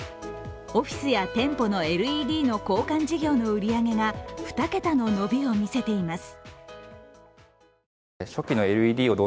オフィスや店舗のＬＥＤの交換事業の売り上げが２桁の伸びを見せています。